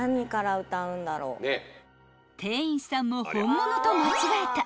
［店員さんも本物と間違えた］